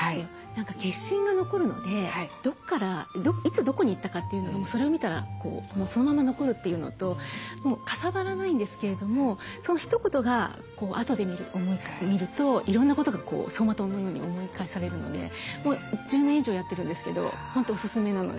何か消印が残るのでどこからいつどこに行ったかというのがそれを見たらそのまま残るというのとかさばらないんですけれどもそのひと言があとで見るといろんなことが走馬灯のように思い返されるのでもう１０年以上やってるんですけど本当おすすめなので。